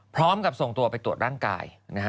พร้อมกับส่งตัวไปตรวจร่างกาย